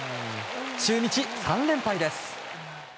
中日、３連敗です。